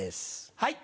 はい！